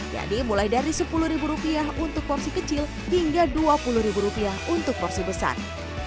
jadi mulai dari sepuluh rupiah untuk porsi kecil hingga dua puluh rupiah untuk porsi besar